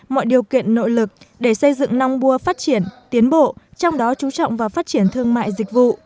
mọi điều kiện nội lực để xây dựng nong bua phát triển tiến bộ trong đó chú trọng vào phát triển thương mại dịch vụ